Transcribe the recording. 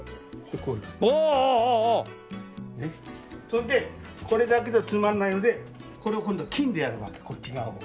それでこれだけだとつまらないのでこれを今度金でやるわけこっち側を。